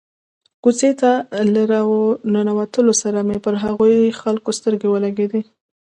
کوڅې ته له را ننوتلو سره مې پر هغو خلکو سترګې ولګېدې.